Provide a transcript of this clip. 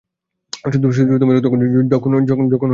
শুধুমাত্র তখন যখন ডায়েট করব না!